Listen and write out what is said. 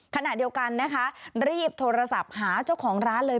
ขณะเดียวกันนะคะรีบโทรศัพท์หาเจ้าของร้านเลย